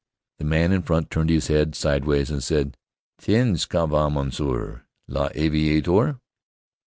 The man in front turned his head sidewise and said, "Tiens! Ça va, monsieur l'aviateur?"